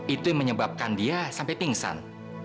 itu yang menyebabkan dia sampai pingsan